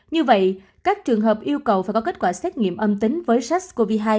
như vậy các trường hợp yêu cầu phải có kết quả xét nghiệm âm tính với sars cov hai